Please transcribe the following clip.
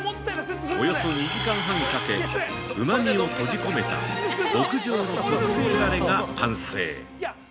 およそ２時間半かけ、うまみを閉じ込めた極上の特製ダレが完成。